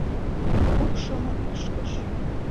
Пукшымо ӱшкыж!..